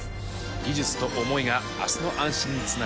技術と思いが明日の安心につながっていく。